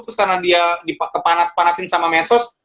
terus karena dia dikepanas panasin sama medsos